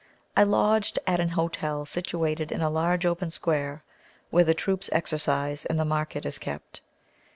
I lodged at an hotel situated in a large open square, where the troops exercise and the market is kept.